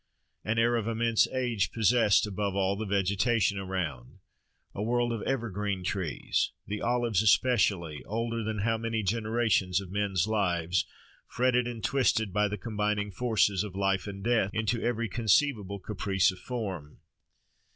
An air of immense age possessed, above all, the vegetation around—a world of evergreen trees—the olives especially, older than how many generations of men's lives! fretted and twisted by the combining forces of life and death, into every conceivable caprice of form.